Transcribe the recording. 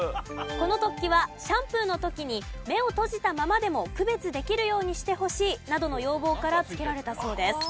この突起はシャンプーの時に目を閉じたままでも区別できるようにしてほしいなどの要望からつけられたそうです。